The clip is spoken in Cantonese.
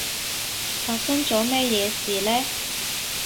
發生咗咩嘢事呢？